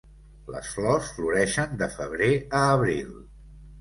Les flors floreixen de febrer a abril.